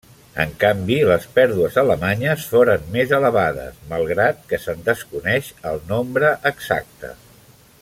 En canvi les pèrdues alemanyes foren més elevades, malgrat que se'n desconeix el nombre exacte.